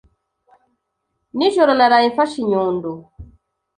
Nijoro naraye mfashe inyundo.